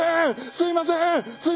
すいません！」